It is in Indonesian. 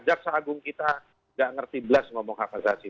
jaksa agung kita tidak mengerti belas ngomong hak asasi